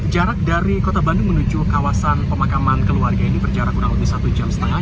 jarak dari kota bandung menuju kawasan pemakaman keluarga ini berjarak kurang lebih satu jam setengah